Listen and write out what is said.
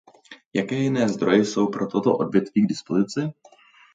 Jaké jiné zdroje jsou pro toto odvětví k dispozici?